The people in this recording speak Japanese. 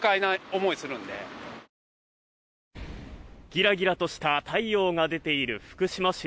ぎらぎらとした太陽が出ている福島市。